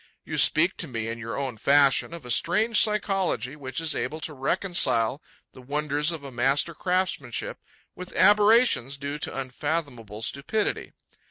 You speak to me, in your own fashion, of a strange psychology which is able to reconcile the wonders of a master craftsmanship with aberrations due to unfathomable stupidity.